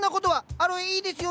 アロエいいですよね！